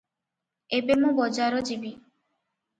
ଏବେ ମୁଁ ବଜାର ଯିବି